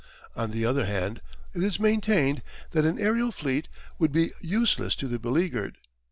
On the other hand it is maintained that an aerial fleet would be useless to the beleaguered.